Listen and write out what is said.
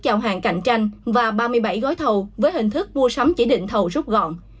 chào hàng cạnh tranh và ba mươi bảy gói thầu với hình thức mua sắm chỉ định thầu rút gọn